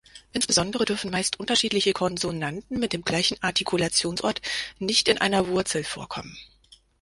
Insbesondere dürfen meist unterschiedliche Konsonanten mit dem gleichen Artikulationsort nicht in einer Wurzel vorkommen.